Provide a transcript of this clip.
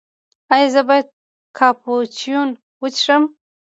ایا زه باید کاپوچینو وڅښم؟